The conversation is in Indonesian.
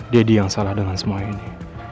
deddy yang salah dengan semua ini